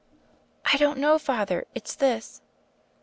"I don't know, Father. It's this."